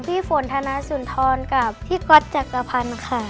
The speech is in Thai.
พี่ฝนธนสุนทรกับพี่ก๊อตจักรพันธ์ค่ะ